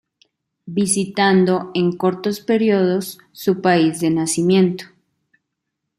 Visitando, en cortos periodos, su país de nacimiento.